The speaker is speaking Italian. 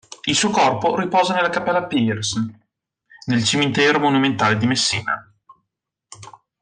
Il suo corpo riposa nella cappella Peirce, nel Cimitero monumentale di Messina.